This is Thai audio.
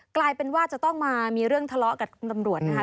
กลายเป็นว่าจะต้องมามีเรื่องทะเลาะกับตำรวจนะคะ